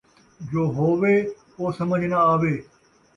جو ہووے او سمجھ نہ آوے